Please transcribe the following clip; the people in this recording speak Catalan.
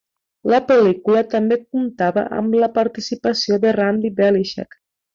La pel·lícula també comptava amb la participació de Randy Velischek.